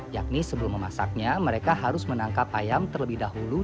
yakni sebelum memasaknya mereka harus menangkap ayam terlebih dahulu